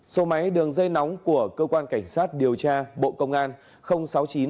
số máy đường dây nóng của cơ quan cảnh sát điều tra bộ công an